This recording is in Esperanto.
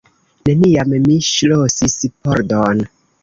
Neniam mi ŝlosis pordon.